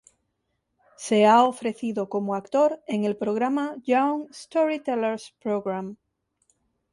Se ha ofrecido como actor en el programa Young Storytellers Program.